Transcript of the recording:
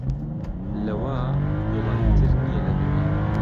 لەوە بوڵەندتر نییە لە دونیا